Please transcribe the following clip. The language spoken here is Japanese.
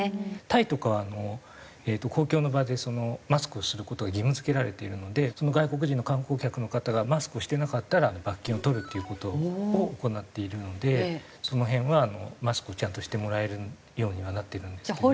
タイとかはあの公共の場でマスクをする事は義務付けられているので外国人の観光客の方がマスクをしてなかったら罰金を取るっていう事を行っているのでその辺はマスクをちゃんとしてもらえるようにはなっているんですけど。